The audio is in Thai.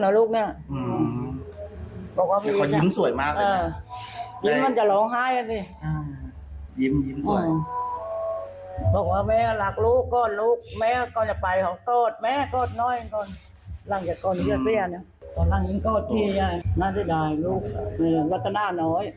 หลังจากก้อนเยื่อเตี้ยเนี่ยน่าจะได้ลูกวัฒนาหน่อย